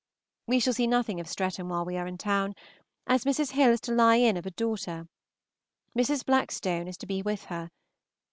We shall see nothing of Streatham while we are in town, as Mrs. Hill is to lie in of a daughter. Mrs. Blackstone is to be with her.